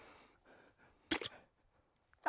あ！